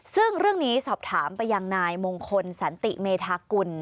ซึ่งเรื่องนี้สอบถามไปยังนายมงคลสันติเมธากุล